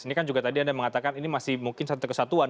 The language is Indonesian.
ini kan juga tadi anda mengatakan ini masih mungkin satu kesatuan